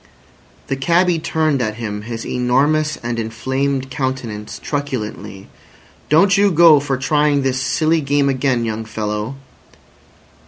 The cabby turned at him his enormous and inflamed countenance truculently. "Don't you go for trying this silly game again, young fellow."